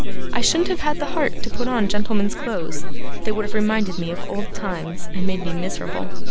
I shouldn't have had the heart to put on gentleman's clothes. They would have reminded me of old times and made me miserable.